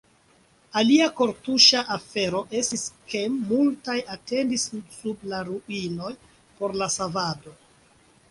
Alia kortuŝa afero estis, ke multaj atendis sub la ruinoj por la savado.